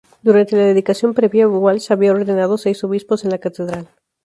Durante la dedicación previa, Walsh había ordenado seis obispos en la catedral.